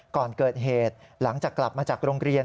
ก่อนเกิดเหตุหลังจากกลับมาจากโรงเรียน